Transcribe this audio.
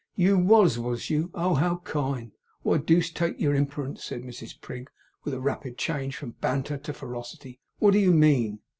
'YOU was, was you? Oh, how kind! Why, deuce take your imperence,' said Mrs Prig, with a rapid change from banter to ferocity, 'what do you mean?